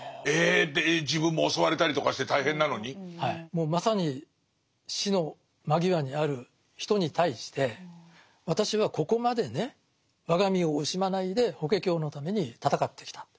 もうまさに死の間際にある人に対して私はここまでね我が身を惜しまないで「法華経」のために闘ってきた。